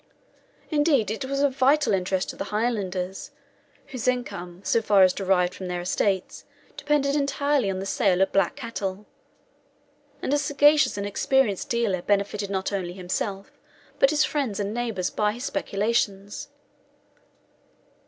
Indeed it was of vital interest to the Highlanders, whose income, so far as derived from their estates, depended entirely on the sale of black cattle; and a sagacious and experienced dealer benefited not only himself, but his friends and neighbours, by his speculations.